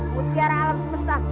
bukiara alam semesta